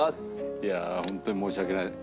いやホントに申し訳ない。